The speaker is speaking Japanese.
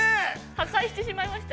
◆破壊してしまいました。